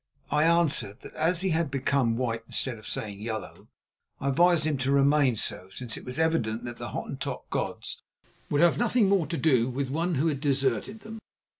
I answered that as he had become white instead of staying yellow, I advised him to remain so, since it was evident that the Hottentot gods would have nothing more to do with one who had deserted them.